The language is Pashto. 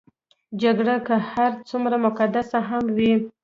جګړه که هر څومره مقدسه هم وي.